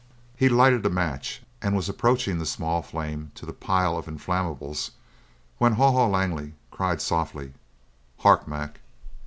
He lighted a match and was approaching the small flame to the pile of inflammables when Haw Haw Langley cried softly: "Hark, Mac!"